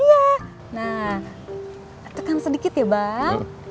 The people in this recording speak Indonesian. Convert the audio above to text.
iya nah tekan sedikit ya bang